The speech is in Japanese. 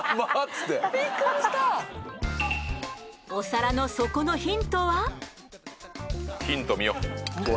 お皿の底のヒントは？